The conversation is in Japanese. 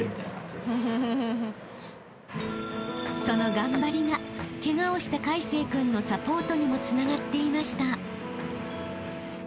［その頑張りがケガをした魁成君のサポートにもつながっていました］